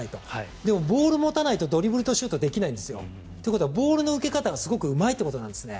でも、ボールを持たないとドリブルとシュートはできないんですよ。ということはボールの受け方がすごくうまいということなんですね。